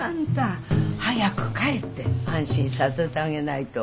早く帰って安心させてあげないと。